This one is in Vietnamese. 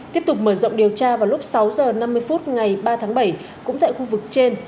tiếp tục mở rộng điều tra vào lúc sáu h năm mươi phút ngày ba tháng bảy cũng tại khu vực trên